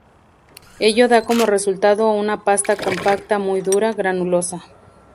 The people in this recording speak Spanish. Ello da como resultado una pasta compacta, muy dura, granulosa.